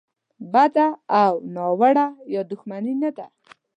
بده او ناوړه یا دوښمني نه ده.